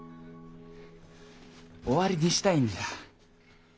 終わりにしたいんじゃ。